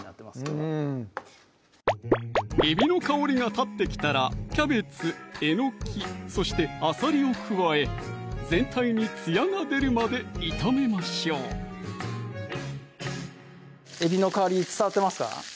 きょうはえびの香りが立ってきたらキャベツ・えのきそしてあさりを加え全体につやが出るまで炒めましょうえびの香り伝わってますか？